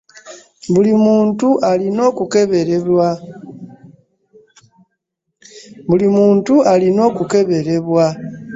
Buli muntu alina okukeberebwa.